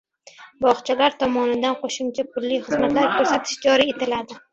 Bogʻchalar tomonidan qoʻshimcha pulli xizmatlar koʻrsatish joriy etiladi.